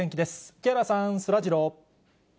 木原さん、そらジロー。